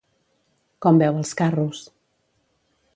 Com veu els carros?